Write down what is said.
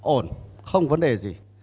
ổn không vấn đề gì